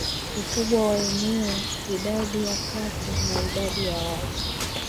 ukubwa wa eneo idadi ya kata na idadi ya watu